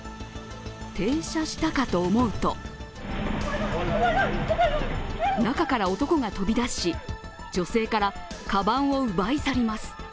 停車したかと思うと中から男が飛び出し、女性からかばんを奪い去ります。